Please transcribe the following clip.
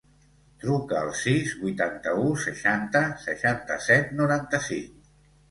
Truca al sis, vuitanta-u, seixanta, seixanta-set, noranta-cinc.